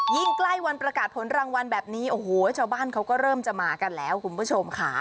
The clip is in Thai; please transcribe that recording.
ใกล้วันประกาศผลรางวัลแบบนี้โอ้โหชาวบ้านเขาก็เริ่มจะมากันแล้วคุณผู้ชมค่ะ